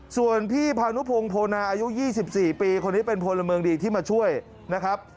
ส่วนพี่พานุพงศ์โพนาอายุ๒๔ปีคนนี้เป็นพลเมืองดีที่มาช่วยนะครับ